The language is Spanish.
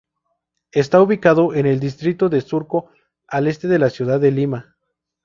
Está ubicado en el distrito de Surco, al este de la ciudad de Lima.